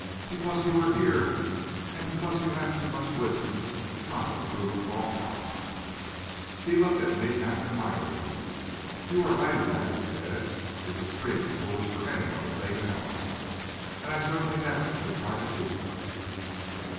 "Because you were here, and because you have too much wisdom to try to prove a false alibi." He looked at me half admiringly. "You are right in that," he said. "It is extremely foolish for any one to fake an alibi, and I certainly never should try to do so."